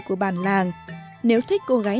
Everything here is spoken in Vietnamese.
của bàn làng nếu thích cô gái